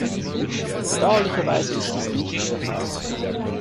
Bedauerlicherweise ist dies nicht der Fall.